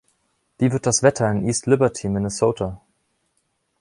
Wie wird das Wetter in East Liberty, Minnesota?